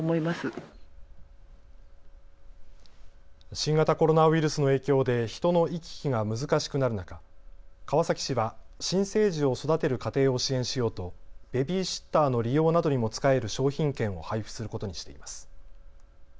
新型コロナウイルスの影響で人の行き来が難しくなる中、川崎市は新生児を育てる家庭を支援しようとベビーシッターの利用などにも使える商品券を配布することにしています。